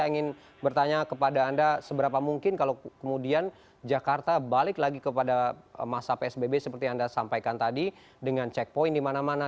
saya ingin bertanya kepada anda seberapa mungkin kalau kemudian jakarta balik lagi kepada masa psbb seperti yang anda sampaikan tadi dengan checkpoint di mana mana